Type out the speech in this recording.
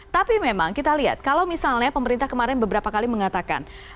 tapi memang kita lihat kalau misalnya pemerintah kemarin beberapa kali mengatakan